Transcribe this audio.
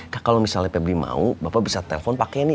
kak kalau misalnya pebli mau bapak bisa telepon pak kenny